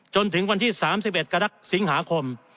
จนถึงวันที่๓๑กรกฎาคม